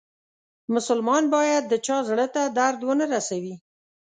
مسلمان باید د چا زړه ته درد و نه روسوي.